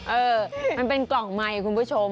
เออมันเป็นกล่องไมค์คุณผู้ชม